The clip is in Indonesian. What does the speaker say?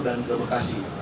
dan ke bekasi